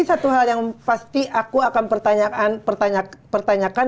ini satu hal yang pasti aku akan pertanyakan